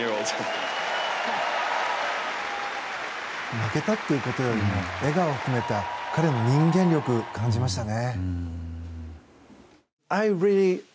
負けたっていうことよりも笑顔を含めた彼の人間力を感じましたね。